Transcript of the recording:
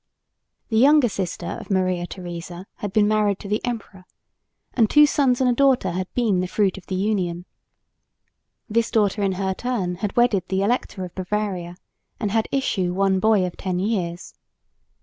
The younger sister of Maria Theresa had been married to the emperor; and two sons and a daughter had been the fruit of the union. This daughter in her turn had wedded the Elector of Bavaria, and had issue one boy of ten years.